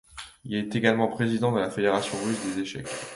Il est également président de la Fédération russe des échecs.